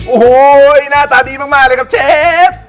โอ้โหหน้าตาดีมากเลยครับเชฟ